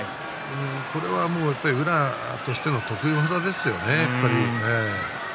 これは宇良としての得意技ですよね